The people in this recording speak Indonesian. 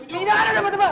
bidang ada tempat tempat